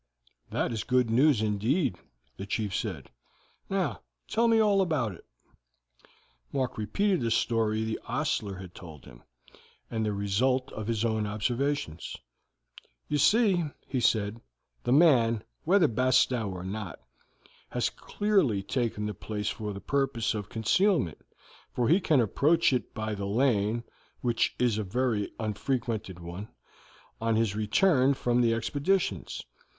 "That is good news indeed," the chief said. "Now tell me all about it." Mark repeated the story the ostler had told him, and the result of his own observations. "You see," he said, "the man, whether Bastow or not, has clearly taken the place for the purpose of concealment, for he can approach it by the lane, which is a very unfrequented one, on his return from his expeditions.